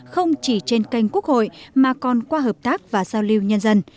không chỉ trên kênh quốc hội mà còn qua hợp tác và giao lưu nhân dân